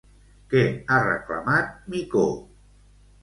Què ha reclamat Micó?